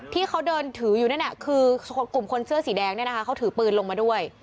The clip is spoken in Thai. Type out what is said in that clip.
ที่เขาเดินถืออยู่นั่นคือกลุ่มคนเสื้อสีแดงเนี่ยนะคะเขาถือปืนลงมาด้วย